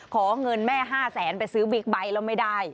ขอเงินแม่๕๐๐๐๐๐บาทไปซื้อบีกใบแล้วไม่ได้